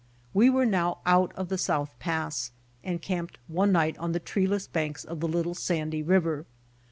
We were now out of the South Pass, and camped one night on the treeless banks of the little Sandy river.